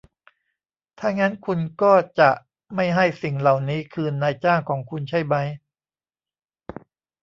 ถ้างั้นคุณก็จะไม่ให้สิ่งเหล่านี้คืนนายจ้างของคุณใช่มั้ย